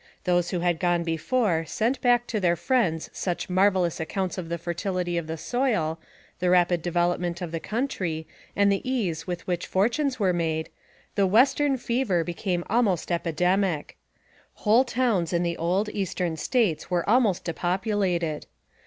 Those who had gone before sent back to their friends such marvelous ac counts of the fertility of the soil, the rapid develop ment of the country, and the ease with which fortunes were made, the " Western fever" became almost epi demic. Whole towns in the old, Eastern States were almost depopulated.